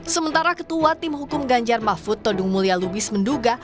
sementara ketua tim hukum ganjar mahfud todung mulya lubis menduga